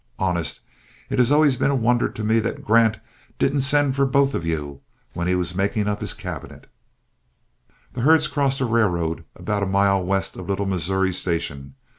Honest, it has always been a wonder to me that Grant didn't send for both of you when he was making up his cabinet." The herds crossed the railroad about a mile west of Little Missouri Station.